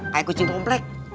kayak kucing komplek